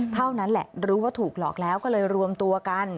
เท่านั้นแหละรู้ว่าถูกหลอกแล้วก็เลยรวมตัวกัน